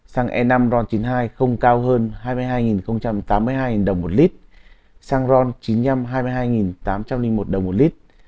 xăng e năm ron chín mươi hai không cao hơn hai mươi hai tám mươi hai đồng một lít xăng ron chín mươi năm hai mươi hai tám trăm linh một đồng một lít